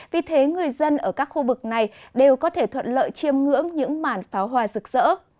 vì thế người dân ở các khu vực này đều có thể thuận lợi chiêm ngưỡng những màn pháo hoa rực rỡ